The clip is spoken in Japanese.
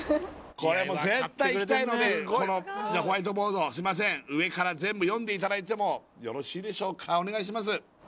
これもう絶対行きたいのでこのホワイトボードすいません上から全部読んでいただいてもよろしいでしょうかお願いします